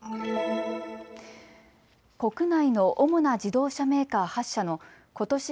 国内の主な自動車メーカー８社のことし